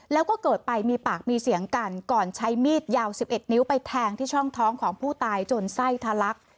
แล้วก็เกิดไปมีปากมีเสียงกันก่อนใช้มีดยาว๑๑นิ้วไปแทงที่ช่องท้องของผู้ตายจนไส้ทะลัก